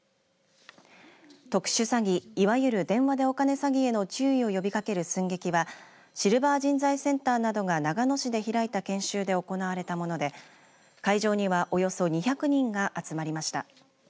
特殊詐欺、いわゆる電話でお金詐欺への注意を呼びかける寸劇はシルバー人材センターなどが長野市で開いた研修で行われたもので会場にはおよそ２００人が集まりました。